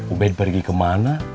ubed pergi kemana